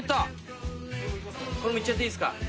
これもいっちゃっていいっすか？